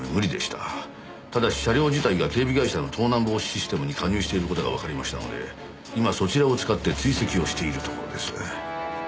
ただし車両自体が警備会社の盗難防止システムに加入している事がわかりましたので今そちらを使って追跡をしているところです。